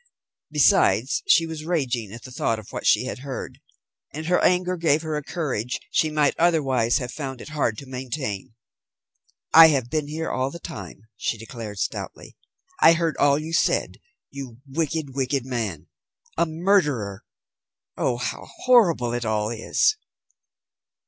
Besides, she was raging at the thought of what she had heard, and her anger gave her a courage she might otherwise have found it hard to maintain. "I have been there all the time," she declared stoutly. "I heard all you said, you wicked, wicked man. A murderer! Oh, how horrible it all is!"